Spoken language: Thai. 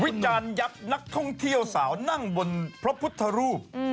วิจารณ์ยับนักท่องเที่ยวสาวนั่งบนพระพุทธรูป